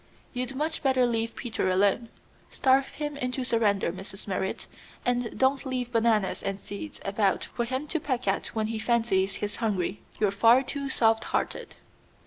"You'd much better leave Peter alone. Starve him into surrender, Mrs. Merrit, and don't leave bananas and seed about for him to peck at when he fancies he's hungry. You're far too softhearted."